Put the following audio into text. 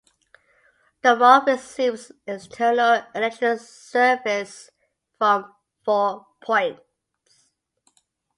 The mall receives external electric service from four points.